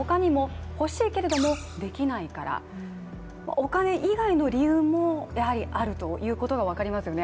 お金以外の理由も、やはりあるということが分かりますよね。